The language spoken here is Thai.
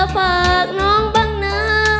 ฝากน้องบ้างนะ